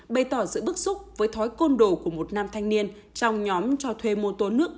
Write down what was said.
bày tỏ sự bức xúc với thói côn đồ của một nam thanh niên trong nhóm cho thuê mô tố nước